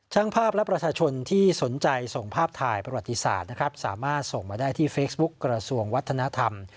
ช่างภาพและประชาชนที่สนใจส่งภาพถ่ายประวัติศาสตร์นะครับสามารถส่งมาได้ที่เฟซบุ๊คกระทรวงวัฒนธรรม